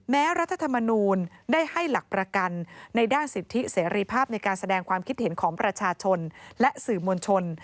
รัฐธรรมนูลได้ให้หลักประกันในด้านสิทธิเสรีภาพในการแสดงความคิดเห็นของประชาชนและสื่อมวลชน